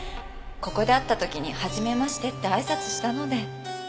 ここで会ったときに「初めまして」ってあいさつしたので